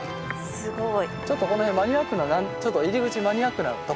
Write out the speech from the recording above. すごい。